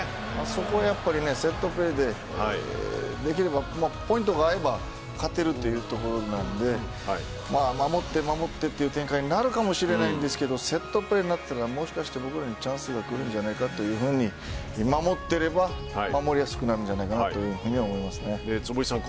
そこをやっぱセットプレーでポイントが合えば勝てるというところなんで守って守ってという展開になるかもしれないんですけどセットプレーになったらもしかしたら僕らにチャンスが来るんじゃないかというように守っていれば守りやすくなるんじゃないか坪井さん